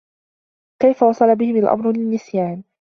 كيف وصل بهم الأمر للنّسيان؟